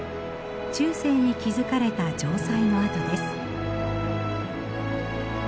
中世に築かれた城塞の跡です。